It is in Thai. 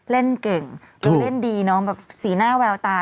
เล่นเก่งดูเล่นดีน้องแบบสีหน้าแววตา